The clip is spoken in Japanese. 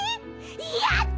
やった！